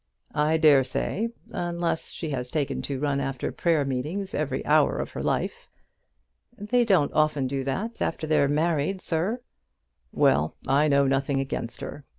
"I dare say; unless she has taken to run after prayer meetings every hour of her life." "They don't often do that after they're married, sir." "Well; I know nothing against her.